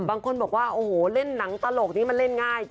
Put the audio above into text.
บางคนบอกว่าโอ้โหเล่นหนังตลกนี้มันเล่นง่าย